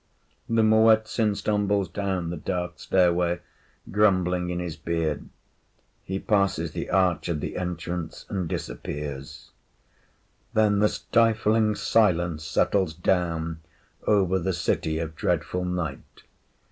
The Muezzin stumbles down the dark stairway grumbling in his beard. He passes the arch of the entrance and disappears. Then the stifling silence settles down over the City of Dreadful Night.